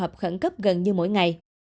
họp khẩn cấp gần như mỗi ngày